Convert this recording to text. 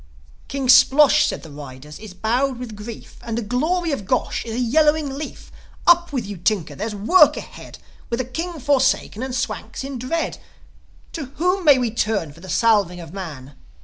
"King Splosh," said the riders, "is bowed with grief; And the glory of Gosh is a yellowing leaf. Up with you, Tinker! There's work ahead. With a King forsaken, and Swanks in dread, To whom may we turn for the salving of man?"